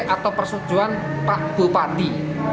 atau persetujuan pak bupati